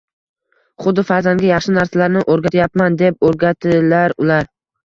xuddi farzandga yaxshi narsalarni o‘rgatyapman deb o‘rgatilar ekan